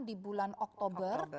di bulan oktober